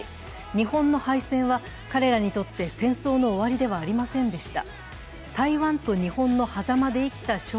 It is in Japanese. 日本の敗戦は彼らにとって戦争の終わりではありませんでした。